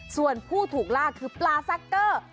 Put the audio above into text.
ส่วนผู้ถูกลากคือปลาซักเกอร์